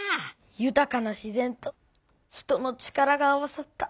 ゆたかな自然と人の力が合わさった